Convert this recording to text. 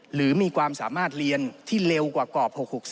หรือมีความสามารถเรียนที่เร็วกว่ากรอบ๖๖๓